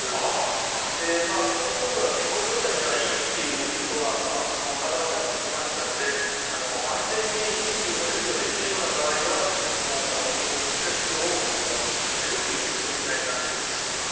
でそのほうが健康状態にはいいっていうことがだんだん分かってきましたので安全に腎部分切除ができるような場合は腎部分切除を勧めるっていうそういう時代になっています。